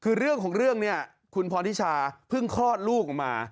คือเรื่องของเรื่องเนี่ยคุณพรทิชาเพิ่งคลอดลูกออกมา